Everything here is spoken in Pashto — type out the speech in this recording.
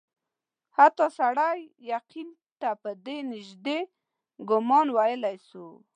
حتی سړی یقین ته په نیژدې ګومان ویلای سي.